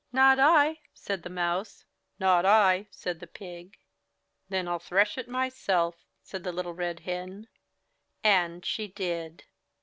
''Not I/' said the Mouse. "Not I," said the Pig. ''Then Til thresh it myself/' said Little Red Hen. And she did.